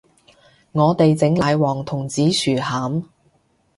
我哋整奶黃同紫薯餡